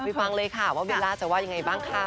ฟังเลยค่ะว่าเบลล่าจะว่ายังไงบ้างค่ะ